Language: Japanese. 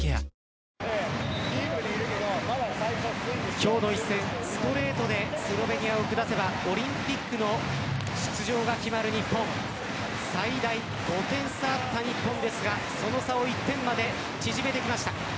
今日の一戦ストレートでスロベニアを下せばオリンピックの出場が決まる日本最大５点差あった日本ですがその差を１点まで縮めてきました。